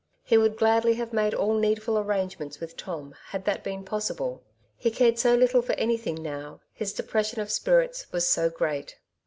He would gladly have made all needful arrangements with Tom bad that been possible, he cared so little for anything now^ his depression of spirits was so great.